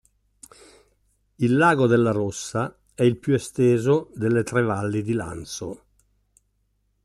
Il lago della Rossa è il più esteso delle tre valli di Lanzo.